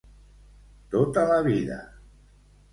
Tota la vida.